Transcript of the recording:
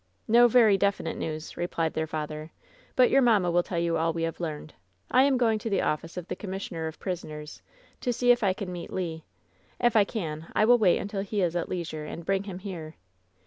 "No very definite news," replied their father; "but your mamma will tell you all we have learned. I am go ing to the office of the commissioner of prisoners, to see if I can meet Le. If I can, I will wait until he is at leisure, and bring him here.